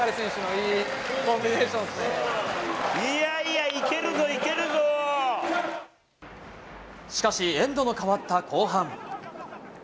いやいや、いけるぞ、いけるしかし、エンドの変わった後半。